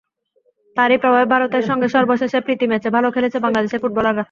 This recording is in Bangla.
তারই প্রভাবে ভারতের সঙ্গে সর্বশেষ প্রীতি ম্যাচে ভালো খেলেছে বাংলাদেশের ফুটবলাররা।